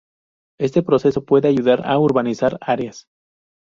Este proceso puede ayudar a urbanizar áreas.